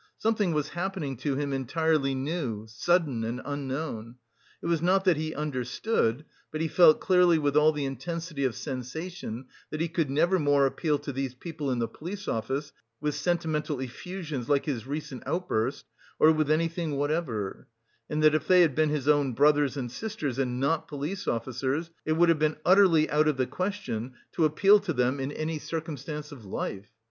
Something was happening to him entirely new, sudden and unknown. It was not that he understood, but he felt clearly with all the intensity of sensation that he could never more appeal to these people in the police office with sentimental effusions like his recent outburst, or with anything whatever; and that if they had been his own brothers and sisters and not police officers, it would have been utterly out of the question to appeal to them in any circumstance of life.